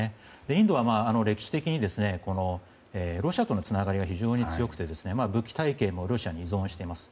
インドは歴史的に、ロシアとのつながりが非常に強くて武器体系もロシアに依存しています。